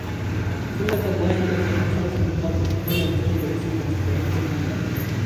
سُنَّةَ اللَّهِ الَّتِي قَدْ خَلَتْ مِنْ قَبْلُ وَلَنْ تَجِدَ لِسُنَّةِ اللَّهِ تَبْدِيلًا